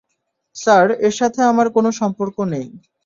Sir এর সাথে আমার কোনও সম্পর্ক নেই।